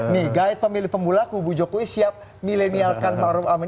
nih guide pemilik pembulaku bu jokowi siap millenialkan maruf amin